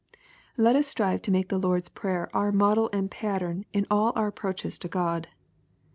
Let us strive to make the Lord's Prayer our model and pattern in all our approaches to God.